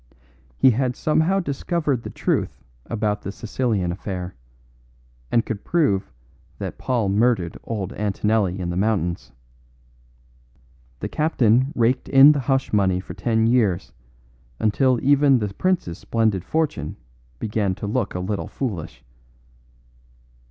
He had somehow discovered the truth about the Sicilian affair, and could prove that Paul murdered old Antonelli in the mountains. The captain raked in the hush money heavily for ten years, until even the prince's splendid fortune began to look a little foolish.